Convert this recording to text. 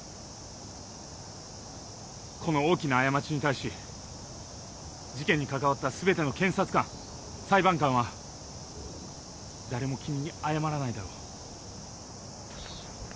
この大きな過ちに対し事件に関わった全ての検察官裁判官は誰も君に謝らないだろう